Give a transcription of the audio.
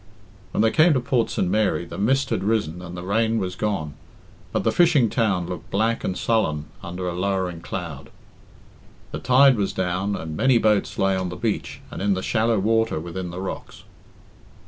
When they came to Port St. Mary the mist had risen and the rain was gone, but the fishing town looked black and sullen under a lowering cloud. The tide was down, and many boats lay on the beach and in the shallow water within the rocks.